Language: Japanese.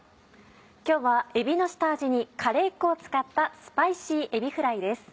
今日はえびの下味にカレー粉を使った「スパイシーえびフライ」です。